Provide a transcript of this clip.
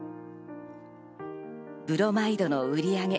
ブロマイドの売り上げ